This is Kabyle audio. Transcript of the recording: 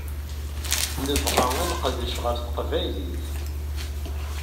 Nebɣa ad neqdec ɣef teqbaylit.